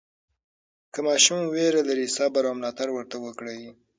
که ماشوم ویره لري، صبر او ملاتړ ورته وکړئ.